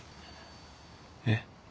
えっ？